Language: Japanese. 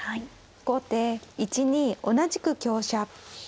後手１二同じく香車。